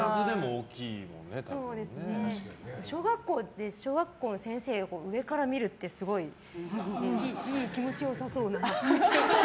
小学校で小学校の先生を上から見るって気持ち良さそう。